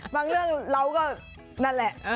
บางเรื่องเราก็นั่นแหละ